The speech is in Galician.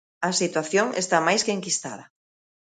A situación está máis que enquistada.